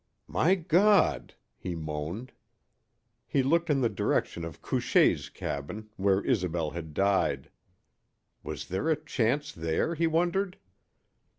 "My God!" he moaned. He looked in the direction of Couchée's cabin, where Isobel had died. Was there a chance there, he wondered?